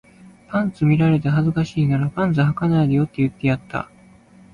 パンツ見られて恥ずかしいならパンツ履かないでよって言ってやった